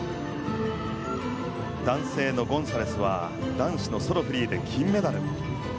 男性のゴンサレスは男子のソロフリーで金メダル。